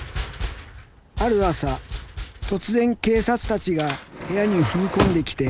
「ある朝突然警察たちが部屋に踏み込んできて」。